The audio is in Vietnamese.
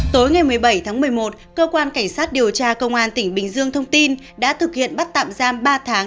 tối ngày một mươi bảy tháng một mươi một cơ quan cảnh sát điều tra công an tỉnh bình dương thông tin đã thực hiện bắt tạm giam ba tháng